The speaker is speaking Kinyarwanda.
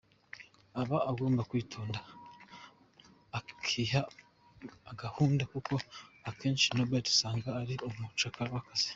Aba agomba kwitonda akiha agahunda kuko akenshi Norbert usanga ari umucakara w’akazi.